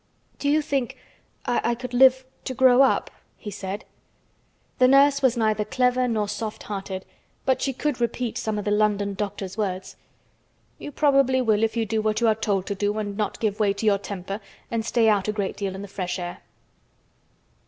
"Do you think—I could—live to grow up?" he said. The nurse was neither clever nor soft hearted but she could repeat some of the London doctor's words. "You probably will if you will do what you are told to do and not give way to your temper, and stay out a great deal in the fresh air."